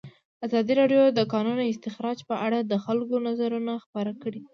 ازادي راډیو د د کانونو استخراج په اړه د خلکو نظرونه خپاره کړي.